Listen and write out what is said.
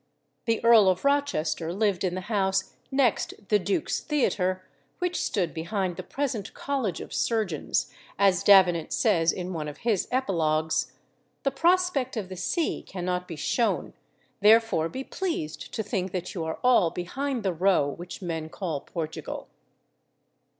The Earl of Rochester lived in the house next the Duke's Theatre, which stood behind the present College of Surgeons, as Davenant says in one of his epilogues "The prospect of the sea cannot be shown, Therefore be pleased to think that you are all Behind the row which men call Portugal."